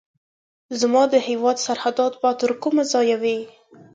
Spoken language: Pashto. زما د هیواد سرحدات به تر کومه ځایه وي.